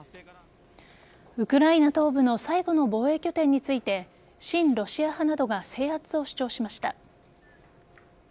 ウクライナ東部の最後の防衛拠点について親ロシア派などが制圧を主張しました。